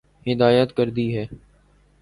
ہدایت کردی ہے